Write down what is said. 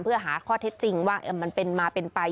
เพื่อหาข้อเท็จจริงว่ามันเป็นมาเป็นไป